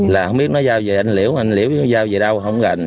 là không biết nó giao về anh liễu anh liễu nó giao về đâu không gần